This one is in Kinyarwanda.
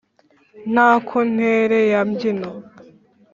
Nako ntere ya mbyino